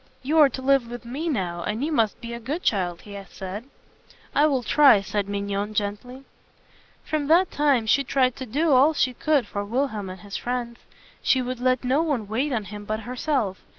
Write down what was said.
"You are to live with me now, and you must be a good child," he said. "I will try," said Mignon gently. From that time she tried to do all that she could for Wilhelm and his friends. She would let no one wait on him but herself.